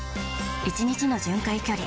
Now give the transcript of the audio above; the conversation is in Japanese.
１日の巡回距離